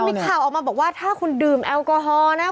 มีข่าวออกมาบอกว่าถ้าคุณดื่มแอลกอฮอล์นะ